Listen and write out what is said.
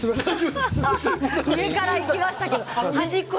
上からいきましたけれども。